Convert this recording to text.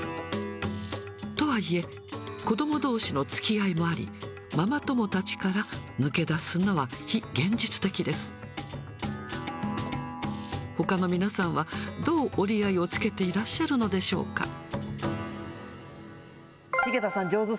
とはいえ、子どもどうしのつきあいもあり、ママ友たちから抜け出すのは非現実的です。ほかの皆さんはどう折り合いをつけていらっしゃるのでしょうか。